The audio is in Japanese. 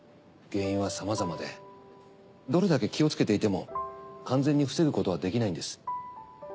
原因はさまざまでどれだけ気をつけていても完全に防ぐことはできないんです。